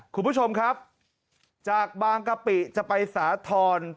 คุณผู้ชมครับจากบางกะปิจะไปสาธรณ์